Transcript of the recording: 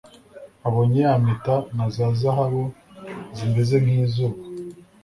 Abonye ya mpeta na za zahabu zimeze nkizuba